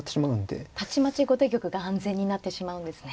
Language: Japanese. たちまち後手玉が安全になってしまうんですね。